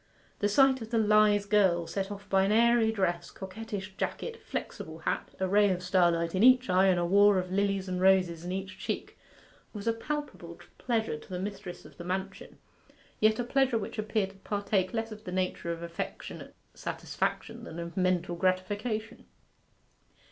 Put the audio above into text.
The sight of the lithe girl, set off by an airy dress, coquettish jacket, flexible hat, a ray of starlight in each eye and a war of lilies and roses in each cheek, was a palpable pleasure to the mistress of the mansion, yet a pleasure which appeared to partake less of the nature of affectionate satisfaction than of mental gratification.